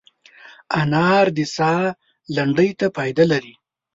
انار د ساه لنډۍ ته فایده رسوي.